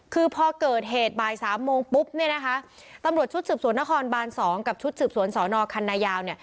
คือพอเกิดเหตุบาย๓โมงปุ๊บตำรวจชุดสืบสวนนครบาน๒กับชุดสืบสวนสอนอคันนายาว